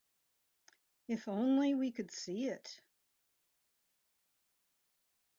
If only we could see it.